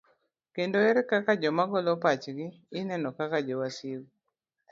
Kendo ere kaka joma golo pachgi ineno kaka jo wasigu?